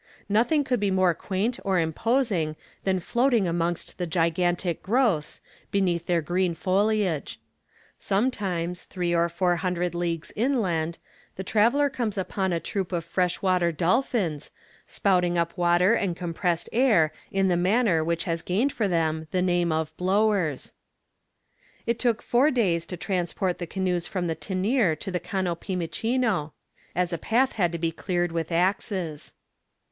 Nothing could be more quaint or imposing than floating amongst the gigantic growths, beneath their green foliage. Sometimes, three or four hundred leagues inland, the traveller comes upon a troop of fresh water dolphins, spouting up water and compressed air in the manner which has gained for them the name of blowers. [Illustration: Gigantic vegetation on the banks of the Temi.] It took four days to transport the canoes from the Tenir to the Cano Pimichino, as a path had to be cleared with axes.